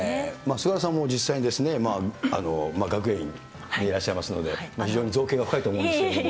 菅原さんも実際に学芸員でいらっしゃいますけれども、非常に造詣が深いと思うんですけど。